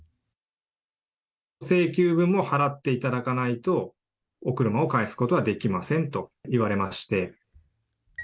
請求分も払っていただかないと、お車を返すことはできませんと言われまして。